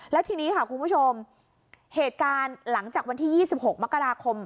แล้วทีนี้ค่ะคุณผู้ชมเหตุการณ์หลังจากวันที่๒๖มกราคม